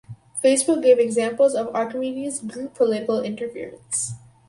Facebook gave examples of Archimedes Group political interference.